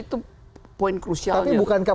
itu poin krusial tapi bukankah